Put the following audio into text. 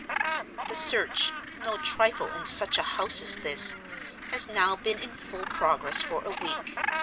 "The search (no trifle in such a house as this) has now been in full progress for a week.